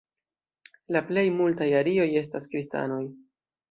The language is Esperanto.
La plej multaj arioj estas kristanoj.